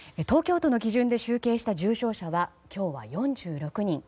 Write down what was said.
東京都の基準で集計した重症者は今日は４６人。